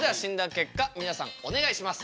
結果皆さんお願いします。